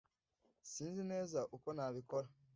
Sinzi neza uko nabikora.